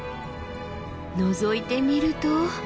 のぞいてみると。